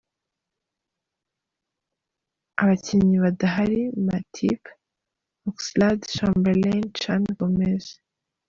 Abakinnyi badahari: Matip, Oxlade-Chamberlain, Can, Gomez.